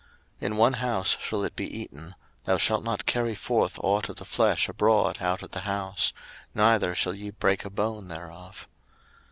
02:012:046 In one house shall it be eaten; thou shalt not carry forth ought of the flesh abroad out of the house; neither shall ye break a bone thereof.